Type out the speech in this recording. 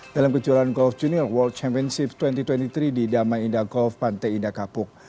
dalam kejuaraan golf junior world championship dua ribu dua puluh tiga di damai indah golf pantai indah kapuk